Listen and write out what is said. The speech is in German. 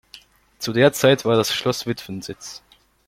Zu der Zeit war das Schloss Witwensitz.